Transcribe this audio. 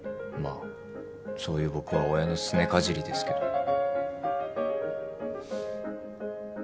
まあそういう僕は親のすねかじりですけど。